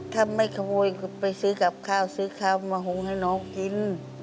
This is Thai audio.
ถ้าไม่ขโมยก็ไปซื้อกับข้าวซื้อข้าวมาหงให้น้องกิน